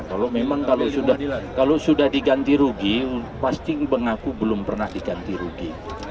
kalau memang kalau sudah diganti rugi pasti mengaku belum pernah diganti rugi